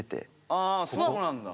ああそうなんだ。